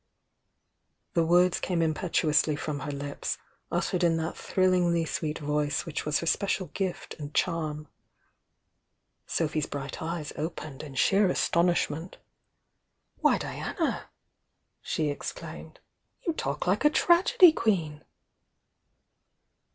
The words came impetuously from her lips, ut tered in that thrillingly sweet voice which was her special gift and charm. Sophy's briylit eyes opened in sheer astonishment. "Why, Diana!" she exclaimed. "You talk like a tragedy queen!"